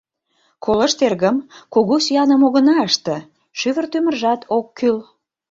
Колышт, эргым, кугу сӱаным огына ыште, шӱвыр-тӱмыржат ок кӱл.